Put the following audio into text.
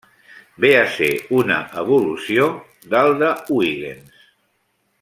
Ve a ser una evolució del de Huygens.